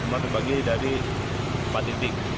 cuma terbagi dari empat titik